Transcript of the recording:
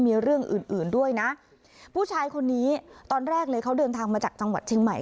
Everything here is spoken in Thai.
มีเรื่องอื่นอื่นด้วยนะผู้ชายคนนี้ตอนแรกเลยเขาเดินทางมาจากจังหวัดเชียงใหม่